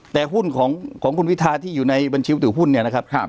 แต่หุ้นของคุณวิทาที่อยู่ในบัญชีวัตถุหุ้น